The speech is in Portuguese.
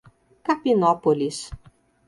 Capinópolis